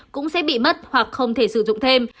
cũng sẽ bị mất hoặc không thể sử dụng thêm